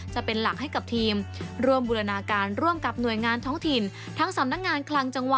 จะเป็นหลักให้กับทีมร่วมบูรณาการร่วมกับหน่วยงานท้องถิ่นทั้งสำนักงานคลังจังหวัด